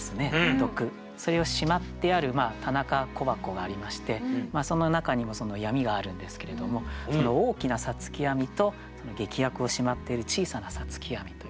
それをしまってある棚か小箱がありましてその中にも闇があるんですけれども大きな五月闇と劇薬をしまっている小さな五月闇という。